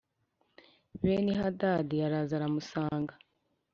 Beni Hadadi araza aramusanga